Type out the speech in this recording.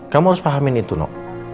kamu harus pahamin itu nok